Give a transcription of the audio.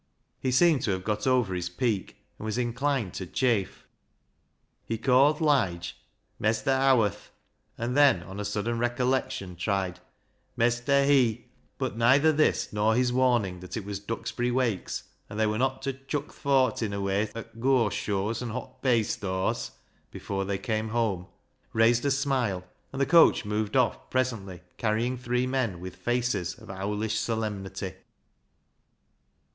He seemed to have got over his pique, and was inclined to chaff. He called Lige " Mestur Howarth," and then on sudden recollection tried " Mestur Hee," but neither this, nor his warning that it was Dux bury Wakes, and they were not to "chuck th' fortin away at ghooast shows and hot pey staws " before they came home, raised a smile, and the coach moved off presently carrying three men with faces of owlish solemnity.